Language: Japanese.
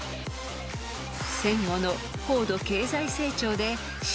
［戦後の高度経済成長で］